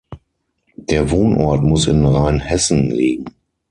Der Wohnort muss in Rheinhessen liegen.